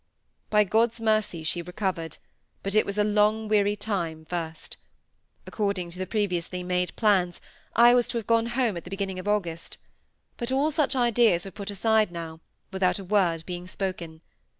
By God's mercy she recovered, but it was a long, weary time first. According to previously made plans, I was to have gone home at the beginning of August. But all such ideas were put aside now, without a word being spoken.